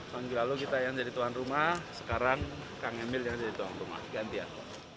minggu lalu kita yang jadi tuan rumah sekarang kang emil yang jadi tuan rumah gantian